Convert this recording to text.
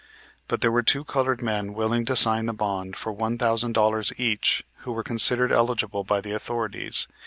But there were two colored men willing to sign the bond for one thousand dollars each who were considered eligible by the authorities.